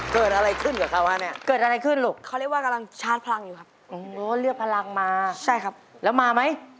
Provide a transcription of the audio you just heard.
ขอดูหน่อยว่าใช่ท่าพ่อหรือเปล่า